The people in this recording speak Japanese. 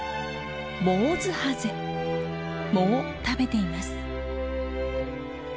藻を食べています。